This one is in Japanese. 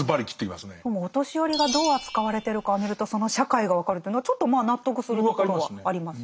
でもお年寄りがどう扱われてるかを見るとその社会が分かるというのはちょっとまあ納得するところはありますよね。